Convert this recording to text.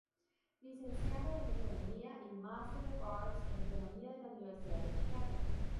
Licenciado en Economía y Master of Arts en Economía de la Universidad de Chicago.